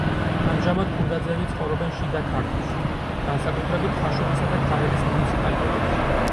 ამჟამად ქურდაძეები ცხოვრობენ შიდა ქართლში, განსაკუთრებით ხაშურისა და ქარელის მუნიციპალიტეტებში.